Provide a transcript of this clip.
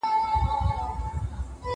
زه پرون د لوبو لپاره وخت نيسم وم؟!